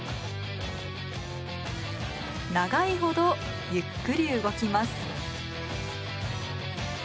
長いほどゆっくり動きます